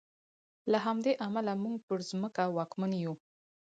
له همدې امله موږ پر ځمکه واکمن یو.